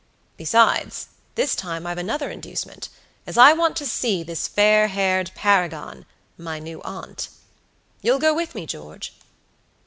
Besides, this time I've another inducement, as I want to see this fair haired paragonmy new aunt. You'll go with me, George?"